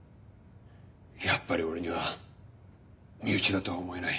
やっぱり俺には身内だとは思えない。